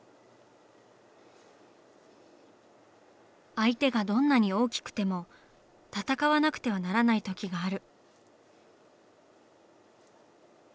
相手がどんなに大きくても闘わなくてはならないときがある。